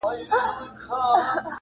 ما یې په غېږه کي ګُلونه غوښتل،